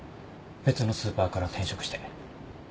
別のスーパーから転職して。